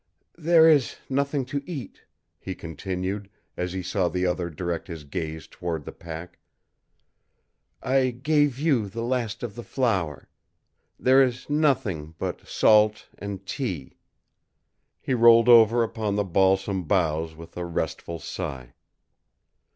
"There is nothing to eat," he continued, as he saw the other direct his gaze toward the pack. "I gave you the last of the flour. There is nothing but salt and tea." He rolled over upon the balsam boughs with a restful sigh.